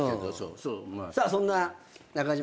さあそんな中島